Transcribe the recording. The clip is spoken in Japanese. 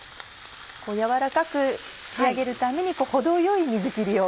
やわらかく仕上げるために程よい水切りを。